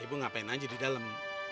ya ibu ngapain aja di dalem